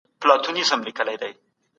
ایا نوې پېښې پخواني دردونه هېرولای سي؟